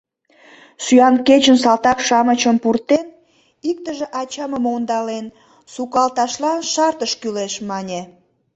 Сӱан кечын салтак-шамычым пуртен, иктыже ачамым ондален, сукалташлан шартыш кӱлеш, мане.